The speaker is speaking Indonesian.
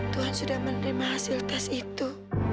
tuhan sudah menerima hasil tes itu